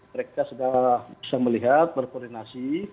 mereka sudah bisa melihat berkoordinasi